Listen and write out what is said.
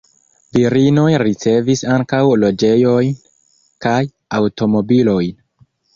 Virinoj ricevis ankaŭ loĝejojn kaj aŭtomobilojn.